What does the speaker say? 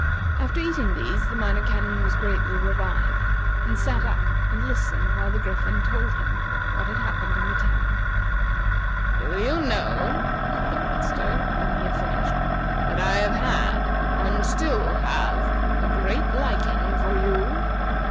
After eating these the Minor Canon was greatly revived, and sat up and listened while the Griffin told him what had happened in the town. "Do you know," said the monster, when he had finished, "that I have had, and still have, a great liking for you?"